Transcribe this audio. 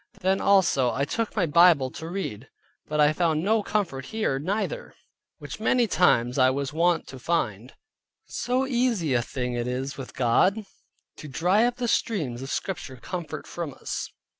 Then also I took my Bible to read, but I found no comfort here neither, which many times I was wont to find. So easy a thing it is with God to dry up the streams of Scripture comfort from us.